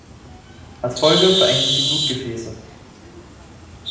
Als Folge verengen sich die Blutgefäße.